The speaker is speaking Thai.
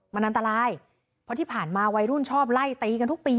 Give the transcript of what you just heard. มันอันตรายเพราะที่ผ่านมาวัยรุ่นชอบไล่ตีกันทุกปี